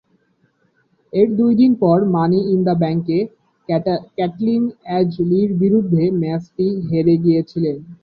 এর দুই দিন পর মানি ইন দ্য ব্যাংকে, ক্যাটলিন এজে লির বিরুদ্ধে ম্যাচটি হেরে গিয়েছিলেন।